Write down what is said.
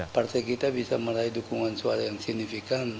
partai kita bisa mendukung suara yang signifikan